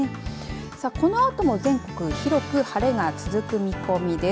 このあとも全国広く晴れが続く見込みです。